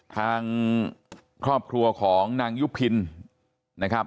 ทางครอบครัวของนางยุพินนะครับ